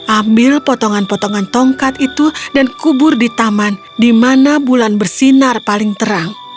ambil potongan potongan tongkat itu dan kubur di taman di mana bulan bersinar paling terang